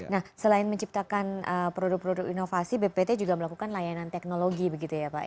nah selain menciptakan produk produk inovasi bpt juga melakukan layanan teknologi begitu ya pak